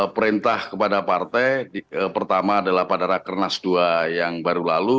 perintah kepada partai pertama adalah pada rakernas dua yang baru lalu